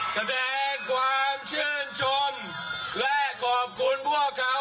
แสดงความชื่นชมและขอบคุณพวกเขา